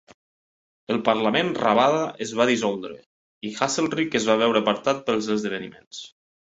El Parlament rabada es va dissoldre, i Haselrig es va veure apartat pels esdeveniments.